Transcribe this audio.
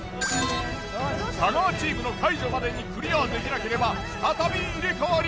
太川チームの解除までにクリアできなければ再び入れ替わり。